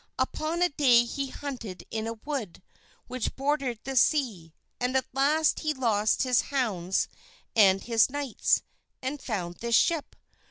Upon a day he hunted in a wood, which bordered the sea, and at last he lost his hounds and his knights, and found this ship.